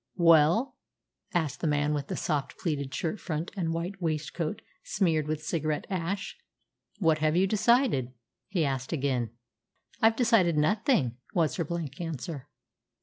"Well?" asked the man with the soft pleated shirt front and white waistcoat smeared with cigarette ash. "What have you decided?" he asked again. "I've decided nothing," was her blank answer.